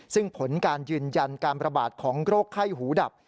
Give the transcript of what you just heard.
ซึ่งผลการยืนยันการประบาดของโรคไข้หูดับ